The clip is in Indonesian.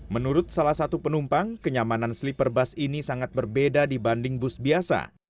menurut salah satu penumpang kenyamanan sleeper bus ini sangat berbeda dibanding bus biasa